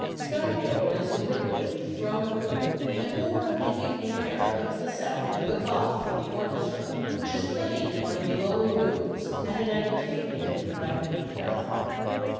Scarpia orders the window to be thrown open, and borne on the evening air comes the sound of a gavotte from the orchestra which is playing in one of the lower rooms at an entertainment given by Queen Caroline.